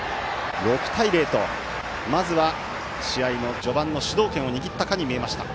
６対０と、まずは試合の序盤の主導権を握ったかに見えました。